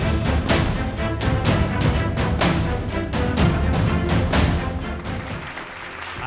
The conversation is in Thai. กิคกี้พายค่ะ